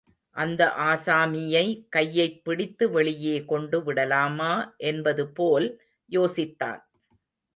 அந்த ஆசாமியை கையைப் பிடித்து வெளியே கொண்டு விடலாமா என்பதுபோல் யோசித்தான்.